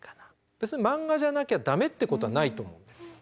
別にマンガじゃなきゃダメっていうことはないと思うんです。